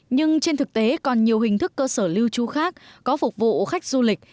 nhưng trên thực tế còn nhiều hình thức cơ sở lưu trú khác có phục vụ khách du lịch